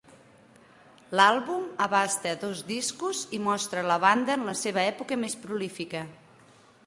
L'àlbum abasta dos discos i mostra la banda en la seva època més prolífica.